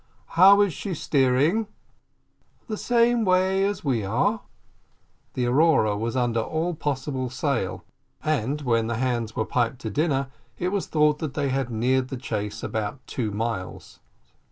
"How is she steering?" "The same way as we are." The Aurora was under all possible sail, and when the hands were piped to dinner, it was thought that they had neared the chase about two miles.